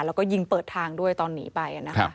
แล้วก็ยิงเปิดทางด้วยตอนหนีไป